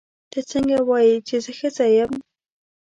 ته څنګه وایې چې زه ښځه یم.